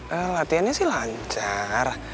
he he latiannya sih lancar